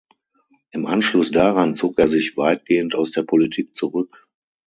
Im Anschluss daran zog er sich weitgehend aus der Politik zurück.